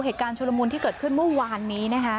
เหตุการณ์ชุลมูลที่เกิดขึ้นเมื่อวานนี้นะคะ